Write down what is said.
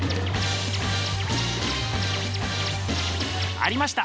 ありました。